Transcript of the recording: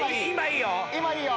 今いいよ。